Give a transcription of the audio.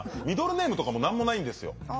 ミドルネームとかも何もないんですよ。